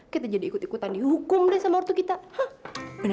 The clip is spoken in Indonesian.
kita jadi ikut ikutan dihukum deh sama waktu kita